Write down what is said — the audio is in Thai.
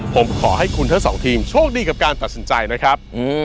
ผมขอให้คุณทั้งสองทีมโชคดีกับการตัดสินใจนะครับ